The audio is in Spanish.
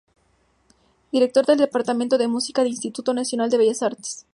Director del Departamento de Música del Instituto Nacional de Bellas Artes.